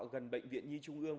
gần bệnh viện nhi trung ương